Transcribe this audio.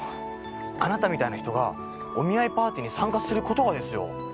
あなたみたいな人がお見合いパーティーに参加することがですよ。